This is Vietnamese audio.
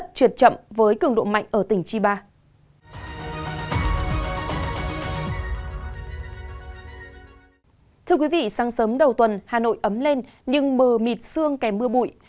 thưa quý vị sáng sớm đầu tuần hà nội ấm lên nhưng mờ mịt xương kèm mưa bụi